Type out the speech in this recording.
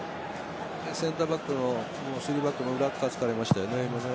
センターバックの３バックの裏突かれましたよね。